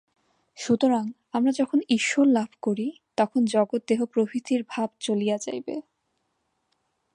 সুতরাং আমরা যখন ঈশ্বরলাভ করি, তখন জগৎ দেহ প্রভৃতির ভাব চলিয়া যাইবে।